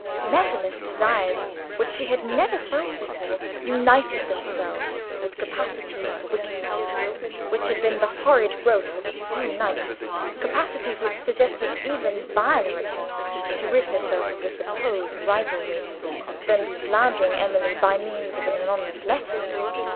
Measureless desires which she had never felt before, united themselves with capacities for wickedness, which had been the horrid growth of a few nights capacities which suggested even viler attempts to rid herself of a supposed rivalry than slandering Emily by means of an anonymous letter.